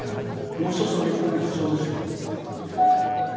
もう一つの日本が必要ですよ。